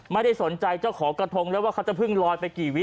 ไม่ได้สนใจเจ้าของกระทงเลยว่าเขาจะเพิ่งลอยไปกี่วิ